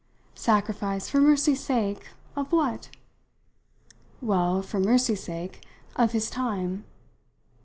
"Sacrifice, for mercy's sake, of what?" "Well for mercy's sake of his time."